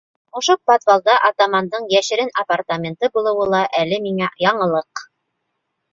Ошо подвалда атамандың йәшерен апартаменты булыуы ла әле миңә яңылыҡ.